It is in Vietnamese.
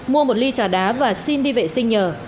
mua một ly trà đá và xin đi vệ sinh nhờ